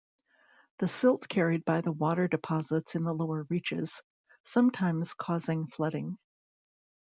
The silt carried by the water deposits in the lower reaches, sometimes causing flooding.